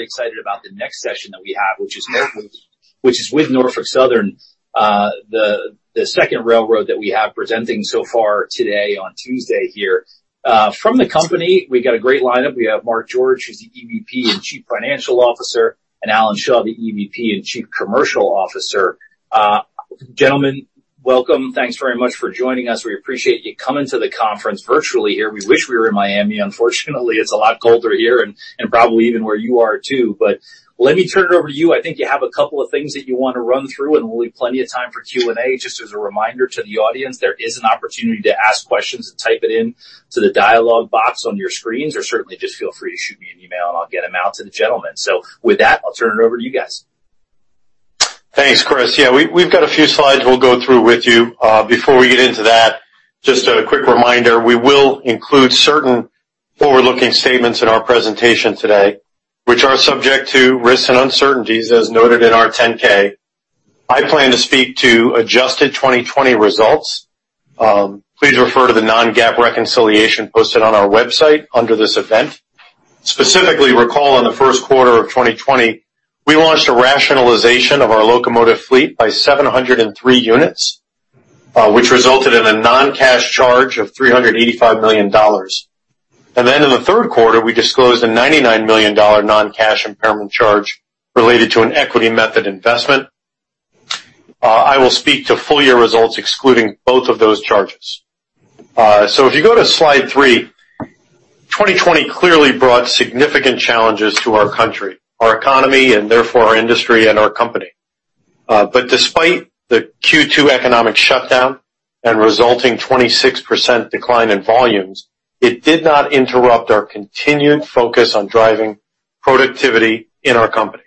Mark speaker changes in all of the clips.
Speaker 1: Really excited about the next session that we have, which is with Norfolk Southern, the second railroad that we have presenting so far today on Tuesday here. From the company, we've got a great lineup. We have Mark George, who's the EVP and Chief Financial Officer, and Alan Shaw, the EVP and Chief Commercial Officer. Gentlemen, welcome. Thanks very much for joining us. We appreciate you coming to the conference virtually here. We wish we were in Miami. Unfortunately, it's a lot colder here and probably even where you are too. Let me turn it over to you. I think you have a couple of things that you want to run through, and we'll leave plenty of time for Q&A. Just as a reminder to the audience, there is an opportunity to ask questions and type it into the dialogue box on your screens, or certainly just feel free to shoot me an email, and I'll get them out to the gentlemen. With that, I'll turn it over to you guys.
Speaker 2: Thanks, Chris. Yeah, we've got a few slides we'll go through with you. Before we get into that, just a quick reminder, we will include certain forward-looking statements in our presentation today, which are subject to risks and uncertainties, as noted in our 10-K. I plan to speak to adjusted 2020 results. Please refer to the non-GAAP reconciliation posted on our website under this event. Specifically, recall in the first quarter of 2020, we launched a rationalization of our locomotive fleet by 703 units, which resulted in a non-cash charge of $385 million. In the third quarter, we disclosed a $99 million non-cash impairment charge related to an equity method investment. I will speak to full-year results excluding both of those charges. If you go to slide three, 2020 clearly brought significant challenges to our country, our economy, and therefore our industry and our company. Despite the Q2 economic shutdown and resulting 26% decline in volumes, it did not interrupt our continued focus on driving productivity in our company.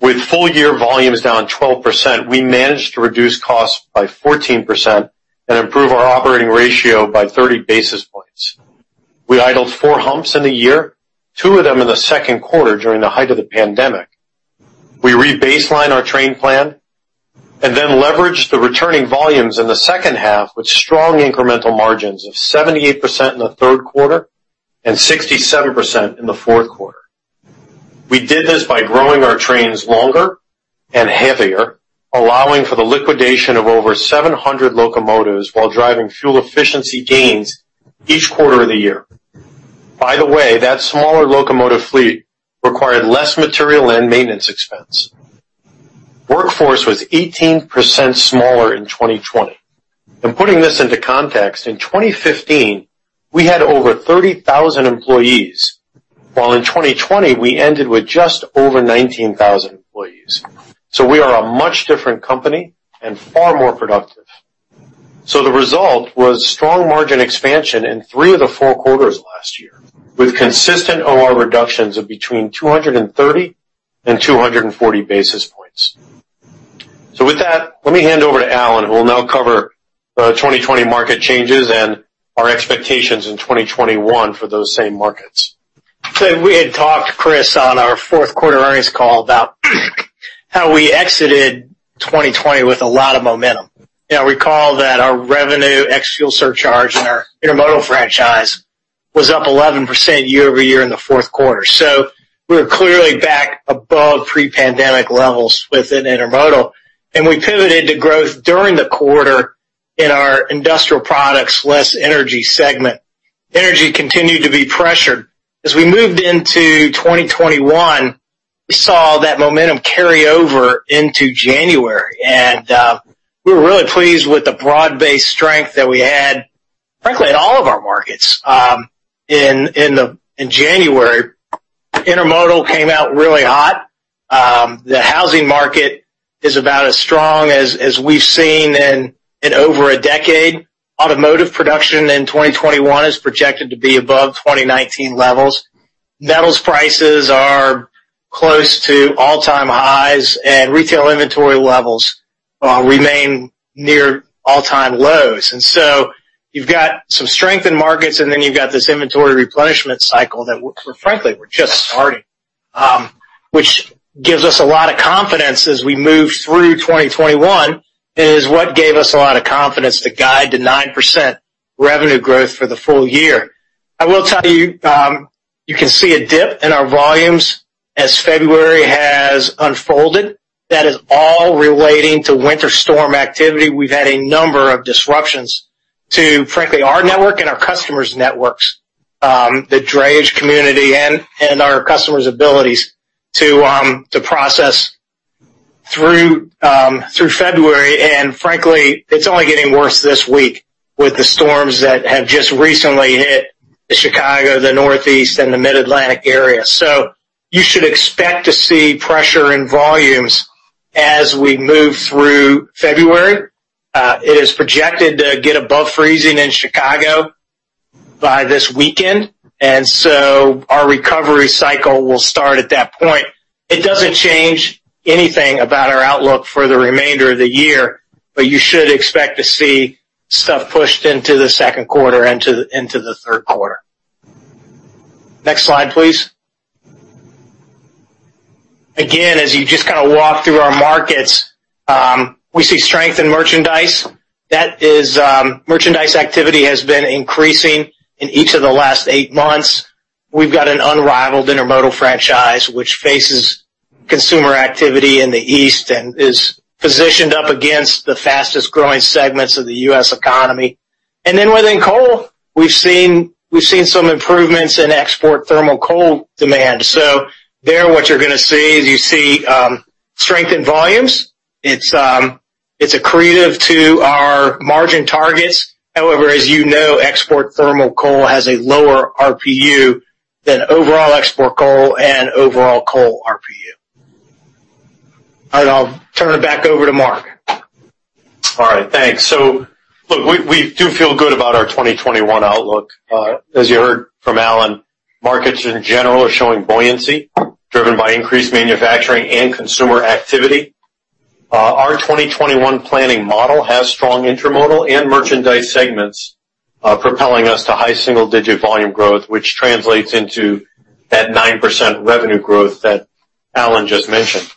Speaker 2: With full-year volumes down 12%, we managed to reduce costs by 14% and improve our operating ratio by 30 basis points. We idled four humps in the year, two of them in the second quarter during the height of the pandemic. We rebaselined our train plan and then leveraged the returning volumes in the second half with strong incremental margins of 78% in the third quarter and 67% in the fourth quarter. We did this by growing our trains longer and heavier, allowing for the liquidation of over 700 locomotives while driving fuel efficiency gains each quarter of the year. By the way, that smaller locomotive fleet required less material and maintenance expense. Workforce was 18% smaller in 2020. Putting this into context, in 2015, we had over 30,000 employees, while in 2020, we ended with just over 19,000 employees. We are a much different company and far more productive. The result was strong margin expansion in three of the four quarters last year with consistent OR reductions of between 230 basis points and 240 basis points. With that, let me hand over to Alan, who will now cover the 2020 market changes and our expectations in 2021 for those same markets.
Speaker 3: We had talked, Chris, on our fourth quarter earnings call about how we exited 2020 with a lot of momentum. Now, recall that our revenue, ex-fuel surcharge in our intermodal franchise, was up 11% year over year in the fourth quarter. We are clearly back above pre-pandemic levels within intermodal. We pivoted to growth during the quarter in our industrial products, less energy segment. Energy continued to be pressured. As we moved into 2021, we saw that momentum carry over into January. We were really pleased with the broad-based strength that we had, frankly, in all of our markets. In January, intermodal came out really hot. The housing market is about as strong as we have seen in over a decade. Automotive production in 2021 is projected to be above 2019 levels. Metals prices are close to all-time highs, and retail inventory levels remain near all-time lows. You've got some strength in markets, and then you've got this inventory replenishment cycle that we're, frankly, we're just starting, which gives us a lot of confidence as we move through 2021 and is what gave us a lot of confidence to guide to 9% revenue growth for the full year. I will tell you, you can see a dip in our volumes as February has unfolded. That is all relating to winter storm activity. We've had a number of disruptions to, frankly, our network and our customers' networks, the drayage community and our customers' abilities to process through February. Frankly, it's only getting worse this week with the storms that have just recently hit the Chicago, the Northeast, and the Mid-Atlantic area. You should expect to see pressure in volumes as we move through February. It is projected to get above freezing in Chicago by this weekend. Our recovery cycle will start at that point. It doesn't change anything about our outlook for the remainder of the year, but you should expect to see stuff pushed into the second quarter and into the third quarter. Next slide, please. Again, as you just kind of walk through our markets, we see strength in merchandise. Merchandise activity has been increasing in each of the last eight months. We've got an unrivaled intermodal franchise, which faces consumer activity in the East and is positioned up against the fastest-growing segments of the U.S. economy. Within coal, we've seen some improvements in export thermal coal demand. What you're going to see is you see strength in volumes. It's accretive to our margin targets. However, as you know, export thermal coal has a lower RPU than overall export coal and overall coal RPU. I'll turn it back over to Mark.
Speaker 2: All right. Thanks. Look, we do feel good about our 2021 outlook. As you heard from Alan, markets in general are showing buoyancy driven by increased manufacturing and consumer activity. Our 2021 planning model has strong intermodal and merchandise segments propelling us to high single-digit volume growth, which translates into that 9% revenue growth that Alan just mentioned.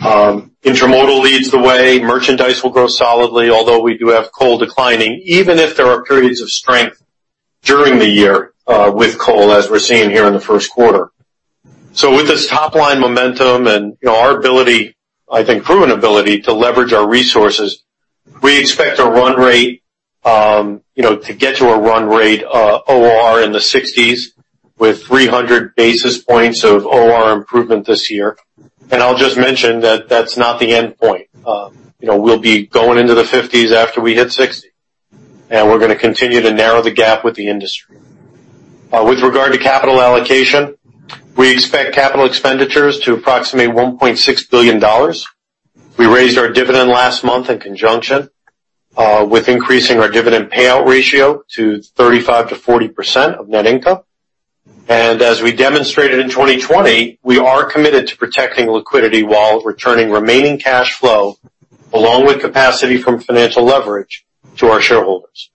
Speaker 2: Intermodal leads the way. Merchandise will grow solidly, although we do have coal declining, even if there are periods of strength during the year with coal, as we're seeing here in the first quarter. With this top-line momentum and our ability, I think proven ability to leverage our resources, we expect a run rate to get to a run rate OR in the 60s with 300 basis points of OR improvement this year. I'll just mention that that's not the end point. We'll be going into the 50s after we hit 60, and we're going to continue to narrow the gap with the industry. With regard to capital allocation, we expect capital expenditures to approximate $1.6 billion. We raised our dividend last month in conjunction with increasing our dividend payout ratio to 35-40% of net income. As we demonstrated in 2020, we are committed to protecting liquidity while returning remaining cash flow along with capacity from financial leverage to our shareholders.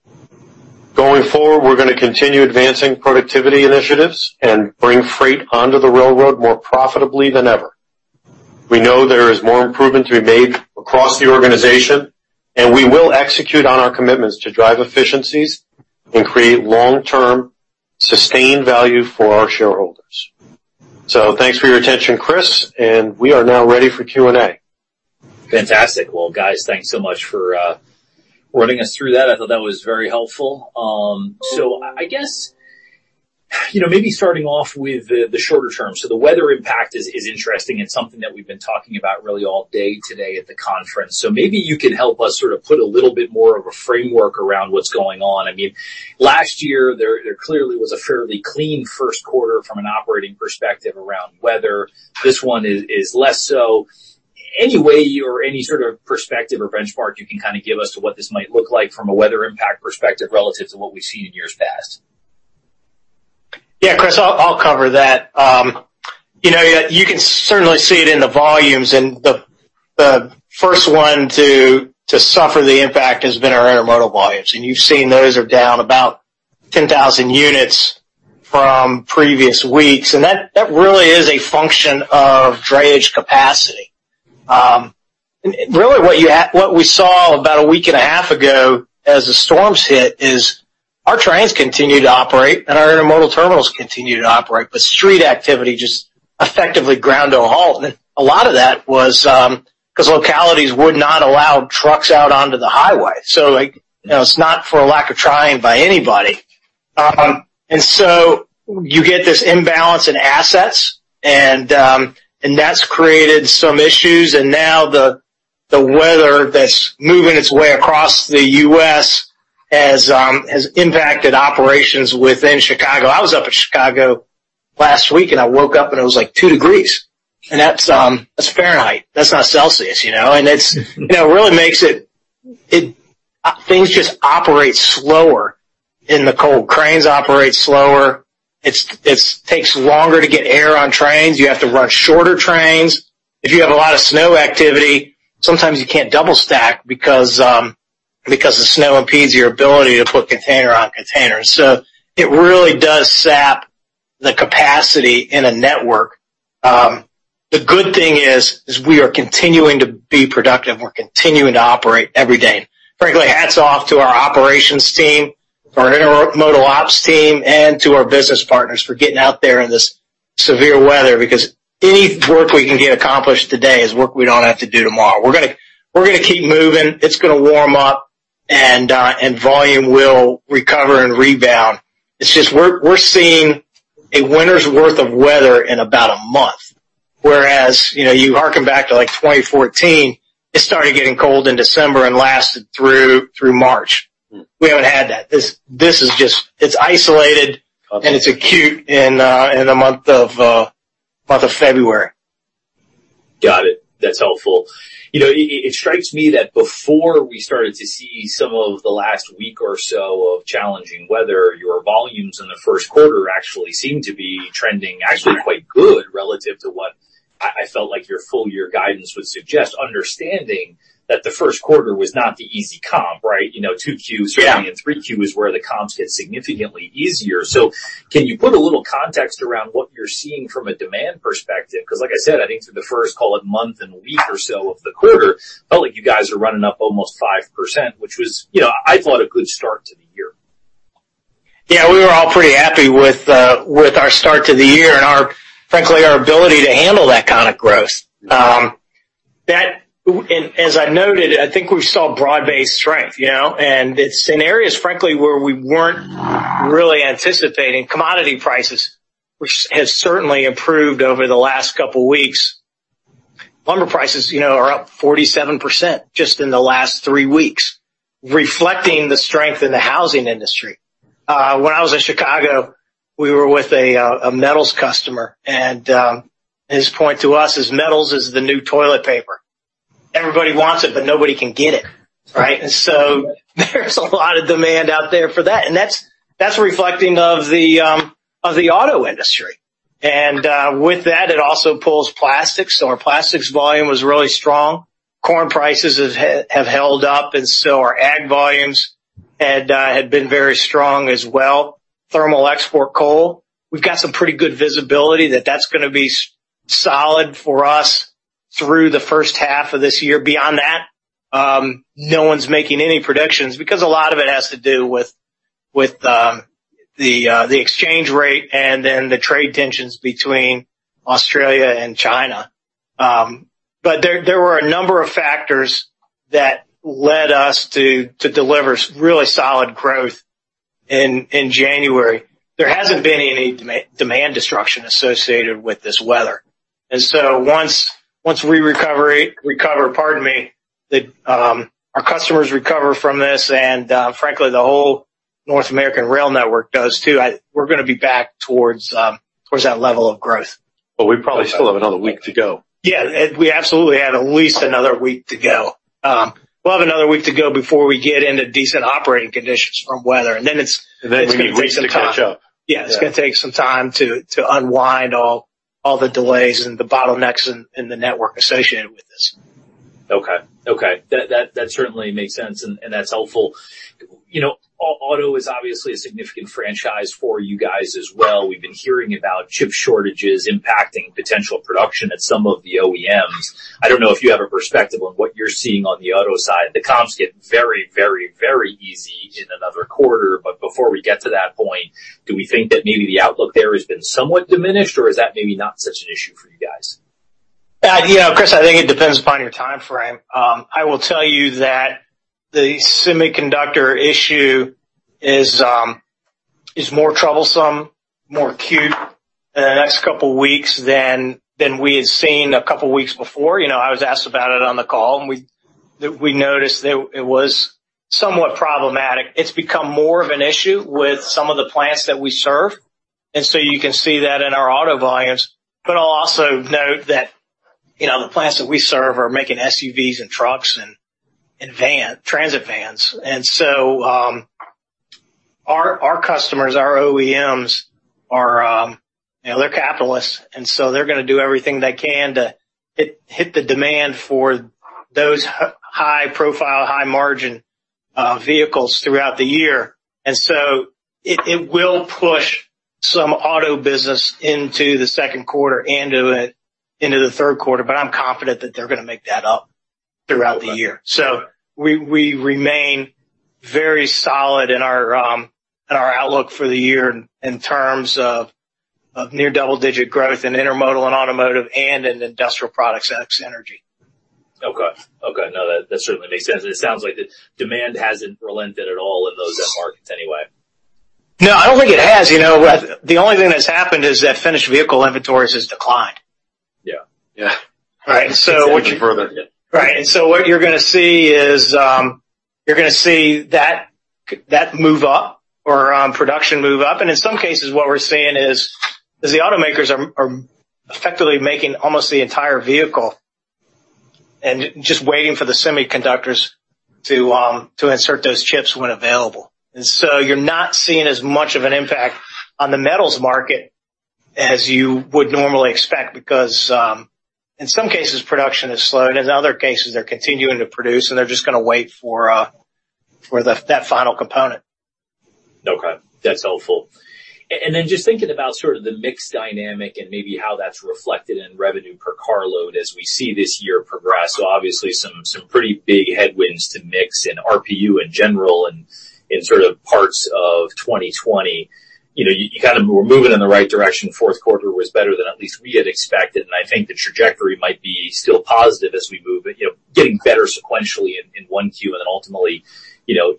Speaker 2: Going forward, we're going to continue advancing productivity initiatives and bring freight onto the railroad more profitably than ever. We know there is more improvement to be made across the organization, and we will execute on our commitments to drive efficiencies and create long-term sustained value for our shareholders. Thanks for your attention, Chris, and we are now ready for Q&A.
Speaker 1: Fantastic. Guys, thanks so much for running us through that. I thought that was very helpful. I guess maybe starting off with the shorter term. The weather impact is interesting. It is something that we have been talking about really all day today at the conference. Maybe you can help us sort of put a little bit more of a framework around what is going on. I mean, last year, there clearly was a fairly clean first quarter from an operating perspective around weather. This one is less so. Any way or any sort of perspective or benchmark you can kind of give us to what this might look like from a weather impact perspective relative to what we have seen in years past?
Speaker 3: Yeah, Chris, I'll cover that. You can certainly see it in the volumes. The first one to suffer the impact has been our intermodal volumes. You have seen those are down about 10,000 units from previous weeks. That really is a function of drayage capacity. Really, what we saw about a week and a half ago as the storms hit is our trains continue to operate and our intermodal terminals continue to operate, but street activity just effectively ground to a halt. A lot of that was because localities would not allow trucks out onto the highway. It is not for a lack of trying by anybody. You get this imbalance in assets, and that has created some issues. Now the weather that is moving its way across the U.S. has impacted operations within Chicago. I was up in Chicago last week, and I woke up, and it was like two degrees. And that's Fahrenheit. That's not Celsius. It really makes it things just operate slower in the cold. Cranes operate slower. It takes longer to get air on trains. You have to run shorter trains. If you have a lot of snow activity, sometimes you can't double-stack because the snow impedes your ability to put container on container. It really does sap the capacity in a network. The good thing is we are continuing to be productive. We're continuing to operate every day. Frankly, hats off to our operations team, our intermodal ops team, and to our business partners for getting out there in this severe weather because any work we can get accomplished today is work we don't have to do tomorrow. We're going to keep moving. It's going to warm up, and volume will recover and rebound. It's just we're seeing a winter's worth of weather in about a month. Whereas you harken back to like 2014, it started getting cold in December and lasted through March. We haven't had that. This is just it's isolated, and it's acute in the month of February.
Speaker 1: Got it. That's helpful. It strikes me that before we started to see some of the last week or so of challenging weather, your volumes in the first quarter actually seemed to be trending actually quite good relative to what I felt like your full-year guidance would suggest, understanding that the first quarter was not the easy comp, right? 2Q, certainly, and 3Q is where the comps get significantly easier. Can you put a little context around what you're seeing from a demand perspective? Because, like I said, I think through the first, call it, month and week or so of the quarter, felt like you guys were running up almost 5%, which was, I thought, a good start to the year.
Speaker 3: Yeah, we were all pretty happy with our start to the year and, frankly, our ability to handle that kind of growth. As I noted, I think we saw broad-based strength. It's in areas, frankly, where we weren't really anticipating. Commodity prices have certainly improved over the last couple of weeks. Plumber prices are up 47% just in the last three weeks, reflecting the strength in the housing industry. When I was in Chicago, we were with a metals customer. His point to us is metals is the new toilet paper. Everybody wants it, but nobody can get it, right? There's a lot of demand out there for that. That's reflecting of the auto industry. With that, it also pulls plastics. Our plastics volume was really strong. Corn prices have held up. Our ag volumes had been very strong as well. Thermal export coal, we've got some pretty good visibility that that's going to be solid for us through the first half of this year. Beyond that, no one's making any predictions because a lot of it has to do with the exchange rate and then the trade tensions between Australia and China. There were a number of factors that led us to deliver really solid growth in January. There hasn't been any demand destruction associated with this weather. Once we recover, pardon me, our customers recover from this, and frankly, the whole North American rail network does too, we're going to be back towards that level of growth.
Speaker 2: We probably still have another week to go.
Speaker 3: Yeah. We absolutely have at least another week to go. We'll have another week to go before we get into decent operating conditions from weather. Then it's going to be reason to catch up.
Speaker 2: We need to catch up.
Speaker 3: Yeah. It's going to take some time to unwind all the delays and the bottlenecks in the network associated with this.
Speaker 1: Okay. Okay. That certainly makes sense, and that's helpful. Auto is obviously a significant franchise for you guys as well. We've been hearing about chip shortages impacting potential production at some of the OEMs. I don't know if you have a perspective on what you're seeing on the auto side. The comps get very, very, very easy in another quarter. Before we get to that point, do we think that maybe the outlook there has been somewhat diminished, or is that maybe not such an issue for you guys?
Speaker 3: Yeah, Chris, I think it depends upon your time frame. I will tell you that the semiconductor issue is more troublesome, more acute in the next couple of weeks than we had seen a couple of weeks before. I was asked about it on the call, and we noticed that it was somewhat problematic. It's become more of an issue with some of the plants that we serve. You can see that in our auto volumes. I'll also note that the plants that we serve are making SUVs and trucks and transit vans. Our customers, our OEMs, they're capitalists. They're going to do everything they can to hit the demand for those high-profile, high-margin vehicles throughout the year. It will push some auto business into the second quarter and into the third quarter. I am confident that they're going to make that up throughout the year. We remain very solid in our outlook for the year in terms of near double-digit growth in intermodal and automotive and in industrial products ex-energy.
Speaker 1: Okay. Okay. No, that certainly makes sense. It sounds like the demand hasn't relented at all in those markets anyway.
Speaker 3: No, I don't think it has. The only thing that's happened is that finished vehicle inventories has declined.
Speaker 2: Yeah. Yeah.
Speaker 3: All right.
Speaker 2: What you further?
Speaker 3: Right. What you're going to see is you're going to see that move up or production move up. In some cases, what we're seeing is the automakers are effectively making almost the entire vehicle and just waiting for the semiconductors to insert those chips when available. You're not seeing as much of an impact on the metals market as you would normally expect because in some cases, production is slow. In other cases, they're continuing to produce, and they're just going to wait for that final component.
Speaker 1: Okay. That's helpful. Just thinking about sort of the mix dynamic and maybe how that's reflected in revenue per car load as we see this year progress. Obviously, some pretty big headwinds to mix and RPU in general and sort of parts of 2020. You kind of were moving in the right direction. Fourth quarter was better than at least we had expected. I think the trajectory might be still positive as we move getting better sequentially in 1Q and then ultimately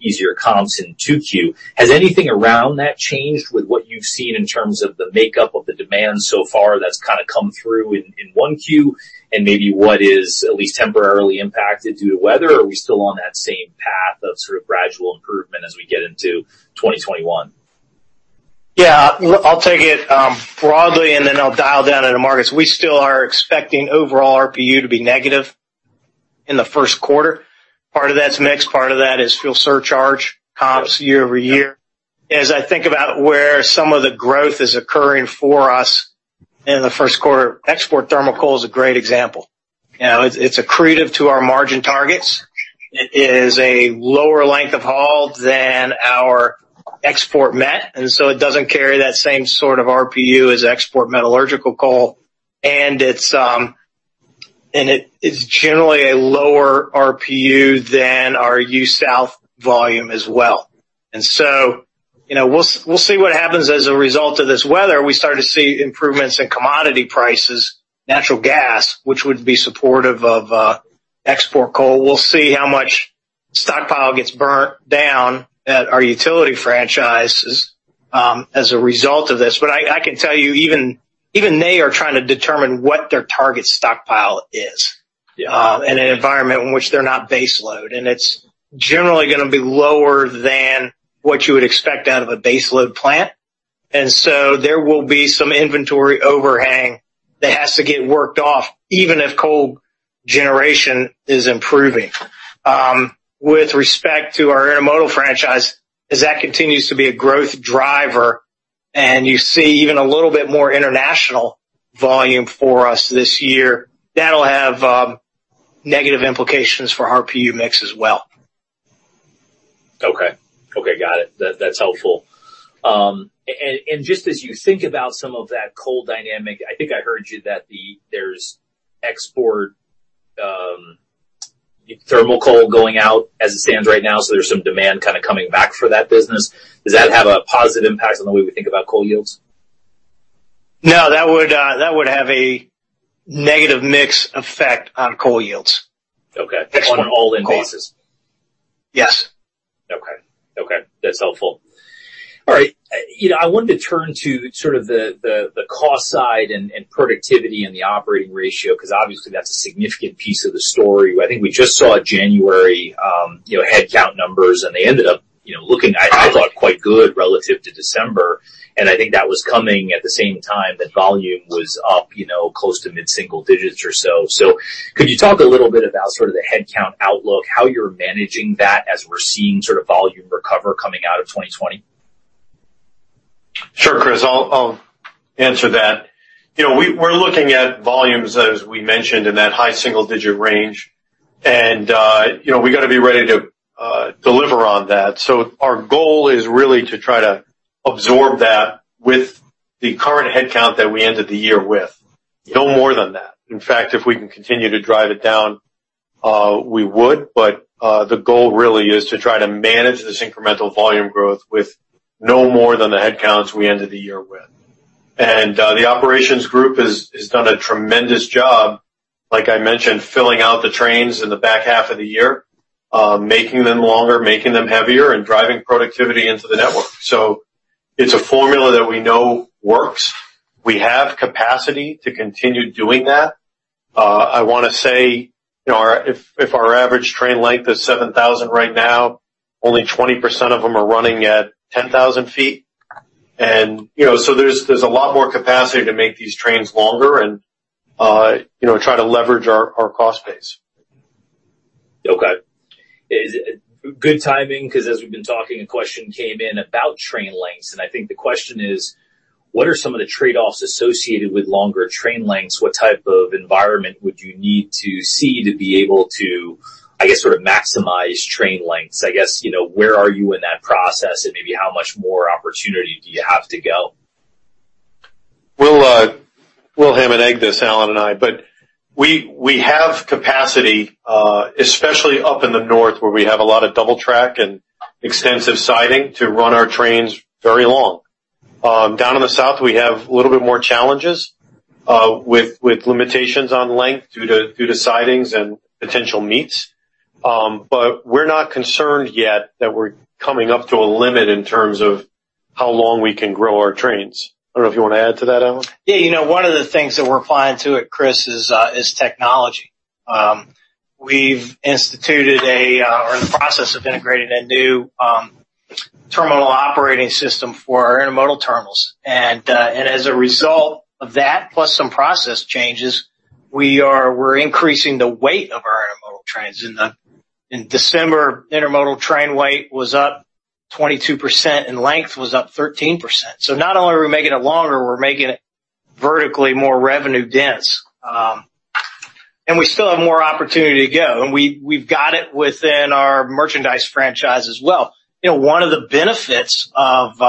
Speaker 1: easier comps in 2Q. Has anything around that changed with what you've seen in terms of the makeup of the demand so far that's kind of come through in 1Q and maybe what is at least temporarily impacted due to weather? Are we still on that same path of sort of gradual improvement as we get into 2021?
Speaker 3: Yeah. I'll take it broadly, and then I'll dial down into markets. We still are expecting overall RPU to be negative in the first quarter. Part of that's mix. Part of that is fuel surcharge comps year over year. As I think about where some of the growth is occurring for us in the first quarter, export thermal coal is a great example. It's accretive to our margin targets. It is a lower length of haul than our export met. It doesn't carry that same sort of RPU as export metallurgical coal. It's generally a lower RPU than our U.S. South volume as well. We'll see what happens as a result of this weather. We start to see improvements in commodity prices, natural gas, which would be supportive of export coal. We'll see how much stockpile gets burnt down at our utility franchises as a result of this. I can tell you even they are trying to determine what their target stockpile is in an environment in which they're not baseload. It's generally going to be lower than what you would expect out of a baseload plant. There will be some inventory overhang that has to get worked off even if coal generation is improving. With respect to our intermodal franchise, as that continues to be a growth driver and you see even a little bit more international volume for us this year, that'll have negative implications for RPU mix as well.
Speaker 1: Okay. Okay. Got it. That's helpful. Just as you think about some of that coal dynamic, I think I heard you that there's export thermal coal going out as it stands right now. There's some demand kind of coming back for that business. Does that have a positive impact on the way we think about coal yields?
Speaker 3: No, that would have a negative mix effect on coal yields.
Speaker 1: Okay. On an all-in basis.
Speaker 3: Yes.
Speaker 1: Okay. Okay. That's helpful. All right. I wanted to turn to sort of the cost side and productivity and the operating ratio because obviously, that's a significant piece of the story. I think we just saw January headcount numbers, and they ended up looking, I thought, quite good relative to December. I think that was coming at the same time that volume was up close to mid-single digits or so. Could you talk a little bit about sort of the headcount outlook, how you're managing that as we're seeing sort of volume recover coming out of 2020?
Speaker 2: Sure, Chris. I'll answer that. We're looking at volumes, as we mentioned, in that high single-digit range. We got to be ready to deliver on that. Our goal is really to try to absorb that with the current headcount that we ended the year with, no more than that. In fact, if we can continue to drive it down, we would. The goal really is to try to manage this incremental volume growth with no more than the headcounts we ended the year with. The operations group has done a tremendous job, like I mentioned, filling out the trains in the back half of the year, making them longer, making them heavier, and driving productivity into the network. It is a formula that we know works. We have capacity to continue doing that. I want to say if our average train length is 7,000 right now, only 20% of them are running at 10,000 feet. There is a lot more capacity to make these trains longer and try to leverage our cost base.
Speaker 1: Okay. Good timing because as we've been talking, a question came in about train lengths. I think the question is, what are some of the trade-offs associated with longer train lengths? What type of environment would you need to see to be able to, I guess, sort of maximize train lengths? I guess, where are you in that process, and maybe how much more opportunity do you have to go?
Speaker 2: We'll ham and egg this, Alan and I, but we have capacity, especially up in the north where we have a lot of double track and extensive siding to run our trains very long. Down in the south, we have a little bit more challenges with limitations on length due to sidings and potential meets. We are not concerned yet that we are coming up to a limit in terms of how long we can grow our trains. I do not know if you want to add to that, Alan.
Speaker 3: Yeah. One of the things that we're applying to it, Chris, is technology. We've instituted or are in the process of integrating a new terminal operating system for our intermodal terminals. As a result of that, plus some process changes, we're increasing the weight of our intermodal trains. In December, intermodal train weight was up 22%, and length was up 13%. Not only are we making it longer, we're making it vertically more revenue dense. We still have more opportunity to go. We've got it within our merchandise franchise as well. One of the benefits of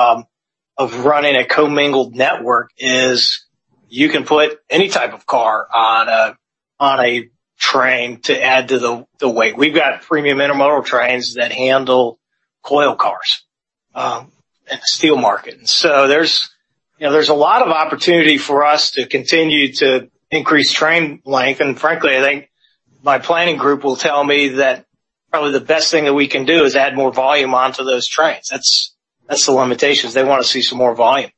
Speaker 3: running a co-mingled network is you can put any type of car on a train to add to the weight. We've got premium intermodal trains that handle coil cars in the steel market. There is a lot of opportunity for us to continue to increase train length. Frankly, I think my planning group will tell me that probably the best thing that we can do is add more volume onto those trains. That is the limitation. They want to see some more volume.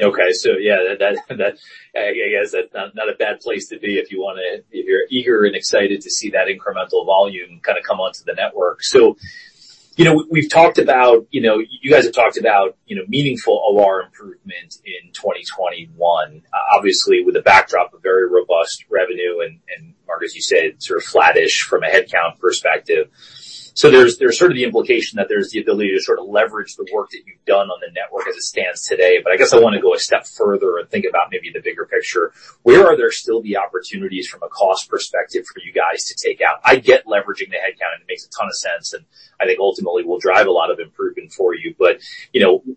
Speaker 1: Okay. Yeah, I guess that's not a bad place to be if you're eager and excited to see that incremental volume kind of come onto the network. We've talked about, you guys have talked about meaningful OR improvements in 2021, obviously with a backdrop of very robust revenue and, as you said, sort of flattish from a headcount perspective. There's sort of the implication that there's the ability to sort of leverage the work that you've done on the network as it stands today. I guess I want to go a step further and think about maybe the bigger picture. Where are there still the opportunities from a cost perspective for you guys to take out? I get leveraging the headcount, and it makes a ton of sense. I think ultimately, we'll drive a lot of improvement for you.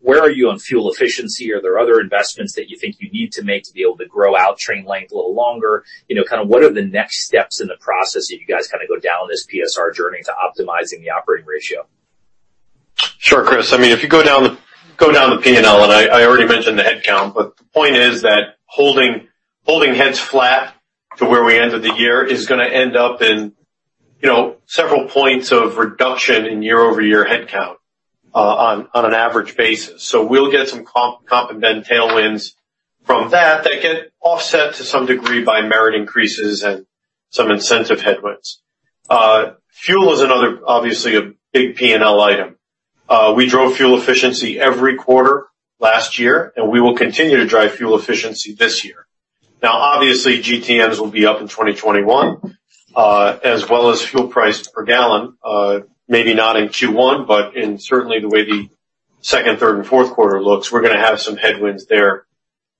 Speaker 1: Where are you on fuel efficiency? Are there other investments that you think you need to make to be able to grow out train length a little longer? Kind of what are the next steps in the process as you guys kind of go down this PSR journey to optimizing the operating ratio?
Speaker 2: Sure, Chris. I mean, if you go down the P&L, and I already mentioned the headcount, but the point is that holding heads flat to where we ended the year is going to end up in several points of reduction in year-over-year headcount on an average basis. So we'll get some comp and then tailwinds from that that get offset to some degree by merit increases and some incentive headwinds. Fuel is another, obviously, a big P&L item. We drove fuel efficiency every quarter last year, and we will continue to drive fuel efficiency this year. Now, obviously, GTMs will be up in 2021, as well as fuel price per gallon, maybe not in Q1, but in certainly the way the second, third, and fourth quarter looks. We're going to have some headwinds there.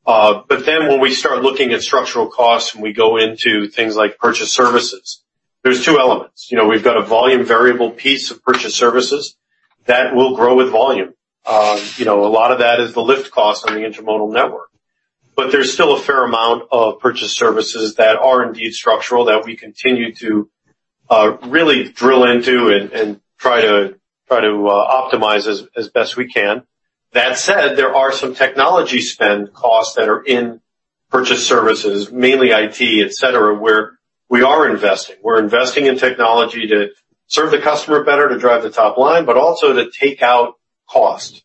Speaker 2: When we start looking at structural costs and we go into things like purchase services, there's two elements. We've got a volume variable piece of purchase services that will grow with volume. A lot of that is the lift cost on the intermodal network. There's still a fair amount of purchase services that are indeed structural that we continue to really drill into and try to optimize as best we can. That said, there are some technology spend costs that are in purchase services, mainly IT, etc., where we are investing. We're investing in technology to serve the customer better, to drive the top line, but also to take out cost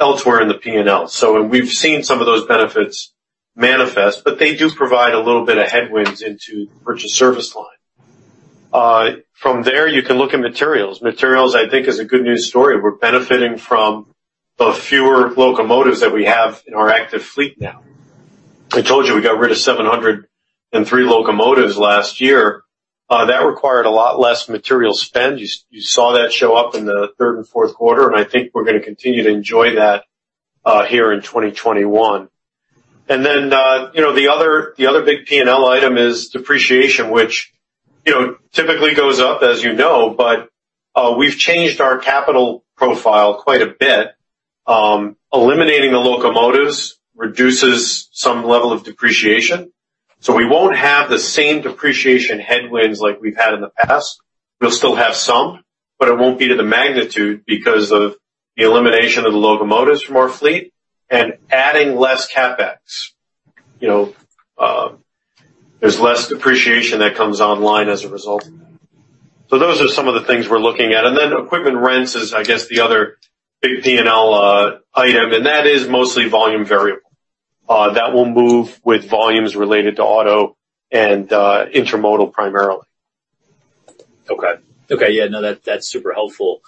Speaker 2: elsewhere in the P&L. We've seen some of those benefits manifest, but they do provide a little bit of headwinds into the purchase service line. From there, you can look at materials. Materials, I think, is a good news story. We're benefiting from the fewer locomotives that we have in our active fleet now. I told you we got rid of 703 locomotives last year. That required a lot less material spend. You saw that show up in the third and fourth quarter, and I think we're going to continue to enjoy that here in 2021. The other big P&L item is depreciation, which typically goes up, as you know, but we've changed our capital profile quite a bit. Eliminating the locomotives reduces some level of depreciation. We won't have the same depreciation headwinds like we've had in the past. We'll still have some, but it won't be to the magnitude because of the elimination of the locomotives from our fleet and adding less CapEx. There's less depreciation that comes online as a result. Those are some of the things we're looking at. Then equipment rents is, I guess, the other big P&L item, and that is mostly volume variable. That will move with volumes related to auto and intermodal primarily.
Speaker 1: Okay. Okay. Yeah. No, that's super helpful.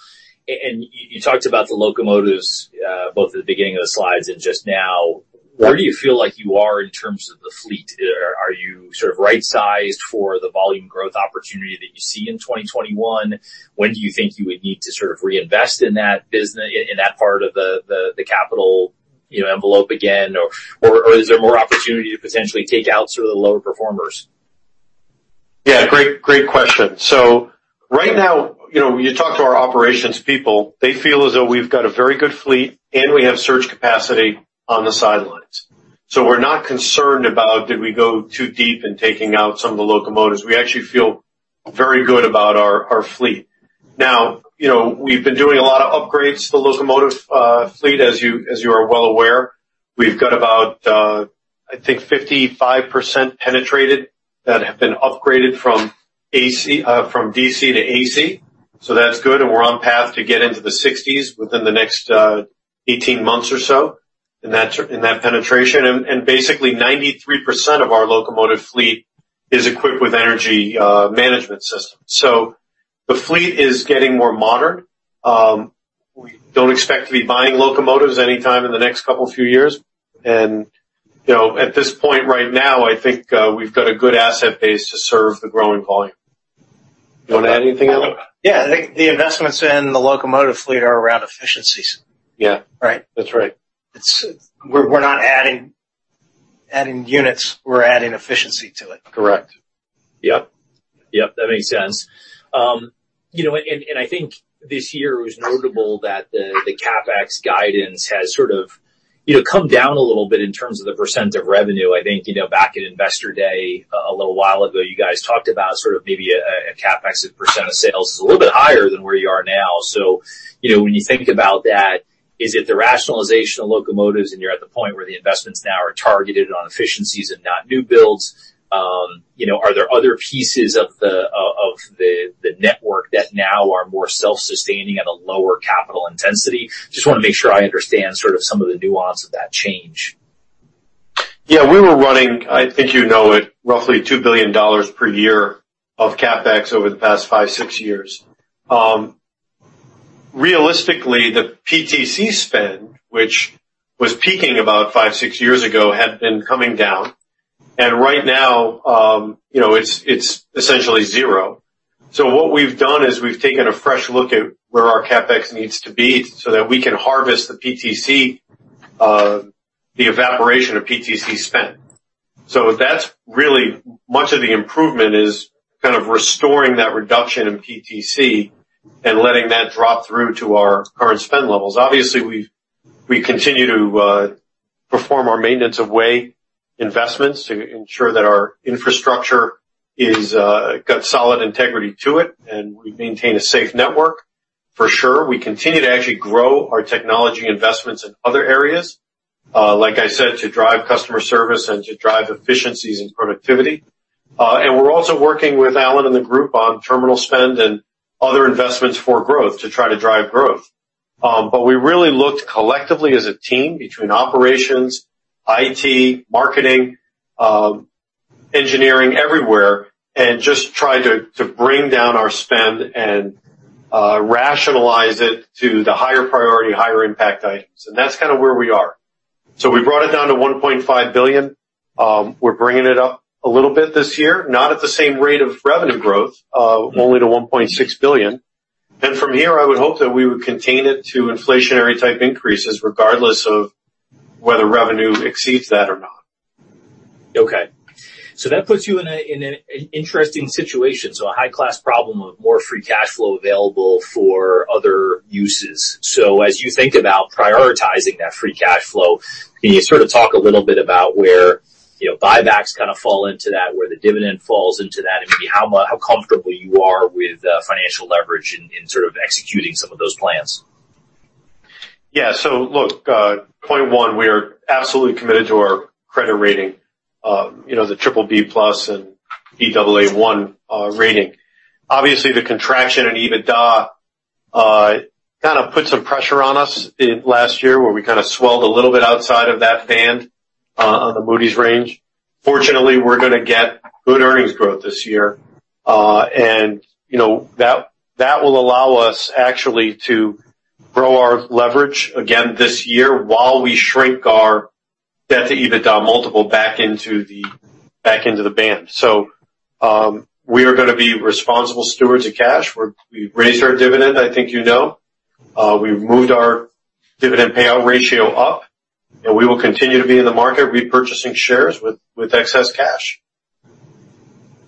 Speaker 1: You talked about the locomotives both at the beginning of the slides and just now. Where do you feel like you are in terms of the fleet? Are you sort of right-sized for the volume growth opportunity that you see in 2021? When do you think you would need to sort of reinvest in that part of the capital envelope again, or is there more opportunity to potentially take out some of the lower performers?
Speaker 2: Yeah. Great question. Right now, when you talk to our operations people, they feel as though we've got a very good fleet, and we have surge capacity on the sidelines. We're not concerned about, did we go too deep in taking out some of the locomotives? We actually feel very good about our fleet. We've been doing a lot of upgrades to the locomotive fleet, as you are well aware. We've got about, I think, 55% penetrated that have been upgraded from DC to AC. That's good. We're on path to get into the 60s within the next 18 months or so in that penetration. Basically, 93% of our locomotive fleet is equipped with energy management systems. The fleet is getting more modern. We don't expect to be buying locomotives anytime in the next couple of few years. At this point right now, I think we've got a good asset base to serve the growing volume. Do you want to add anything else?
Speaker 3: Yeah. I think the investments in the locomotive fleet are around efficiencies.
Speaker 2: Yeah. That's right.
Speaker 3: We're not adding units. We're adding efficiency to it.
Speaker 2: Correct.
Speaker 1: Yep. Yep. That makes sense. I think this year it was notable that the CapEx guidance has sort of come down a little bit in terms of the percent of revenue. I think back at investor day a little while ago, you guys talked about sort of maybe a CapEx percent of sales is a little bit higher than where you are now. When you think about that, is it the rationalization of locomotives, and you're at the point where the investments now are targeted on efficiencies and not new builds? Are there other pieces of the network that now are more self-sustaining at a lower capital intensity? Just want to make sure I understand sort of some of the nuance of that change.
Speaker 2: Yeah. We were running, I think you know it, roughly $2 billion per year of CapEx over the past five, six years. Realistically, the PTC spend, which was peaking about five, six years ago, had been coming down. Right now, it's essentially zero. What we've done is we've taken a fresh look at where our CapEx needs to be so that we can harvest the PTC, the evaporation of PTC spend. That's really much of the improvement, kind of restoring that reduction in PTC and letting that drop through to our current spend levels. Obviously, we continue to perform our maintenance of way investments to ensure that our infrastructure has got solid integrity to it, and we maintain a safe network for sure. We continue to actually grow our technology investments in other areas, like I said, to drive customer service and to drive efficiencies and productivity. We are also working with Alan and the group on terminal spend and other investments for growth to try to drive growth. We really looked collectively as a team between operations, IT, marketing, engineering, everywhere, and just tried to bring down our spend and rationalize it to the higher priority, higher impact items. That is kind of where we are. We brought it down to $1.5 billion. We are bringing it up a little bit this year, not at the same rate of revenue growth, only to $1.6 billion. From here, I would hope that we would contain it to inflationary-type increases regardless of whether revenue exceeds that or not.
Speaker 1: Okay. That puts you in an interesting situation. A high-class problem of more free cash flow available for other uses. As you think about prioritizing that free cash flow, can you sort of talk a little bit about where buybacks kind of fall into that, where the dividend falls into that, and maybe how comfortable you are with financial leverage in sort of executing some of those plans?
Speaker 2: Yeah. So look, point one, we are absolutely committed to our credit rating, the BBB+ and Baa1 rating. Obviously, the contraction in EBITDA kind of put some pressure on us last year where we kind of swelled a little bit outside of that band on the Moody's range. Fortunately, we're going to get good earnings growth this year. That will allow us actually to grow our leverage again this year while we shrink our debt-to-EBITDA multiple back into the band. We are going to be responsible stewards of cash. We raised our dividend, I think you know. We've moved our dividend payout ratio up, and we will continue to be in the market repurchasing shares with excess cash.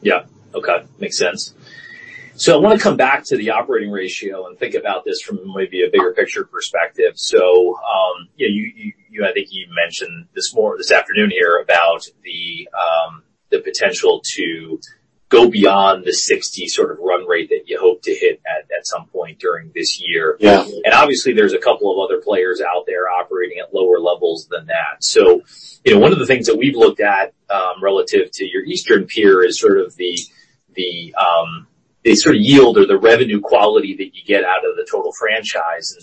Speaker 1: Yeah. Okay. Makes sense. I want to come back to the operating ratio and think about this from maybe a bigger picture perspective. I think you mentioned this afternoon here about the potential to go beyond the 60 sort of run rate that you hope to hit at some point during this year. Obviously, there's a couple of other players out there operating at lower levels than that. One of the things that we've looked at relative to your Eastern peer is sort of the sort of yield or the revenue quality that you get out of the total franchise.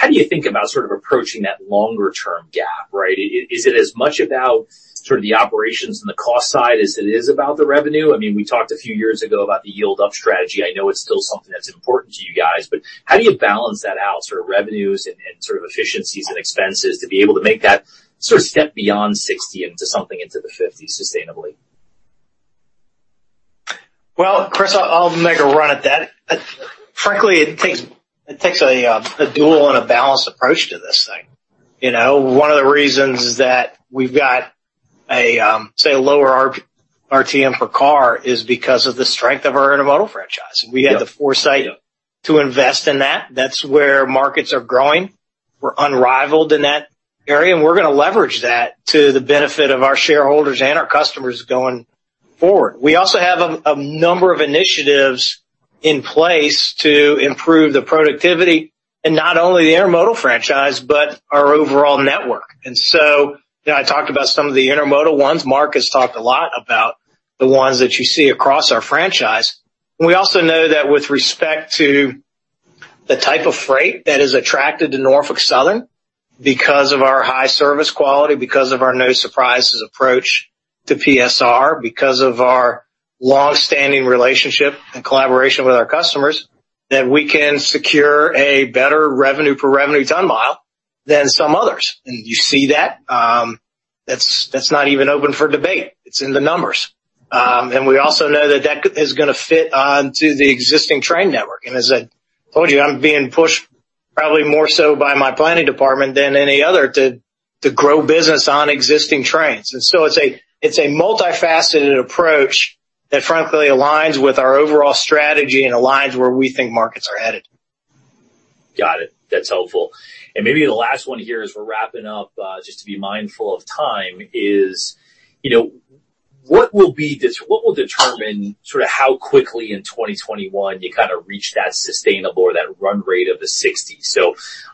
Speaker 1: How do you think about sort of approaching that longer-term gap, right? Is it as much about sort of the operations and the cost side as it is about the revenue? I mean, we talked a few years ago about the yield-up strategy. I know it's still something that's important to you guys, but how do you balance that out, sort of revenues and sort of efficiencies and expenses to be able to make that sort of step beyond 60 into something into the 50 sustainably?
Speaker 3: Chris, I'll make a run at that. Frankly, it takes a dual and a balanced approach to this thing. One of the reasons that we've got, say, a lower RTM per car is because of the strength of our intermodal franchise. We had the foresight to invest in that. That's where markets are growing. We're unrivaled in that area, and we're going to leverage that to the benefit of our shareholders and our customers going forward. We also have a number of initiatives in place to improve the productivity and not only the intermodal franchise, but our overall network. I talked about some of the intermodal ones. Mark has talked a lot about the ones that you see across our franchise. We also know that with respect to the type of freight that is attracted to Norfolk Southern because of our high service quality, because of our no-surprises approach to PSR, because of our long-standing relationship and collaboration with our customers, that we can secure a better revenue-per-revenue ton mile than some others. You see that. That is not even open for debate. It is in the numbers. We also know that is going to fit onto the existing train network. As I told you, I am being pushed probably more so by my planning department than any other to grow business on existing trains. It is a multifaceted approach that, frankly, aligns with our overall strategy and aligns where we think markets are headed.
Speaker 1: Got it. That's helpful. Maybe the last one here as we're wrapping up, just to be mindful of time, is what will determine sort of how quickly in 2021 you kind of reach that sustainable or that run rate of the 60?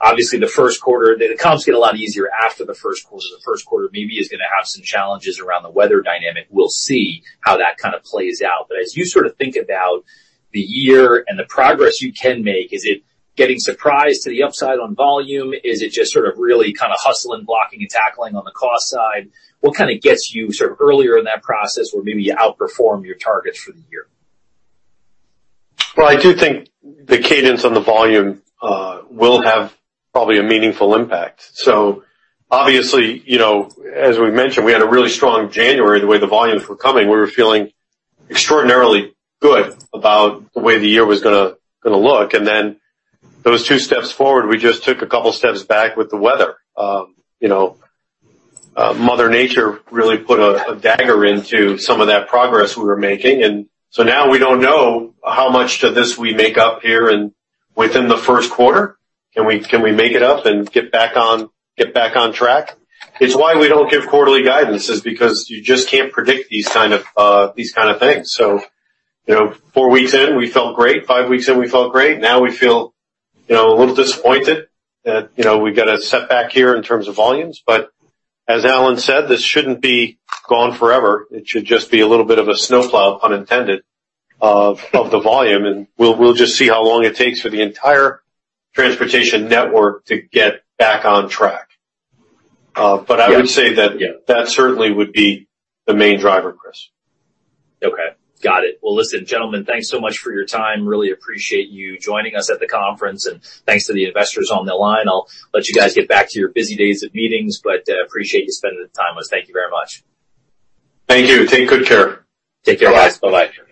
Speaker 1: Obviously, the first quarter, the comps get a lot easier after the first quarter. The first quarter maybe is going to have some challenges around the weather dynamic. We'll see how that kind of plays out. As you sort of think about the year and the progress you can make, is it getting surprised to the upside on volume? Is it just sort of really kind of hustle and blocking and tackling on the cost side? What kind of gets you sort of earlier in that process where maybe you outperform your targets for the year?
Speaker 2: I do think the cadence on the volume will have probably a meaningful impact. Obviously, as we mentioned, we had a really strong January the way the volumes were coming. We were feeling extraordinarily good about the way the year was going to look. Those two steps forward, we just took a couple of steps back with the weather. Mother Nature really put a dagger into some of that progress we were making. Now we do not know how much of this we make up here within the first quarter. Can we make it up and get back on track? It is why we do not give quarterly guidance, because you just cannot predict these kinds of things. Four weeks in, we felt great. Five weeks in, we felt great. Now we feel a little disappointed that we got a setback here in terms of volumes. As Alan said, this shouldn't be gone forever. It should just be a little bit of a snowplow, pun intended, of the volume. We'll just see how long it takes for the entire transportation network to get back on track. I would say that certainly would be the main driver, Chris.
Speaker 1: Okay. Got it. Listen, gentlemen, thanks so much for your time. Really appreciate you joining us at the conference. Thanks to the investors on the line. I'll let you guys get back to your busy days of meetings, but appreciate you spending the time with us. Thank you very much.
Speaker 2: Thank you. Take good care.
Speaker 1: Take care. Bye-bye. Bye-bye.